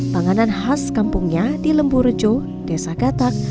panganan khas kampungnya di lemburjo desa katak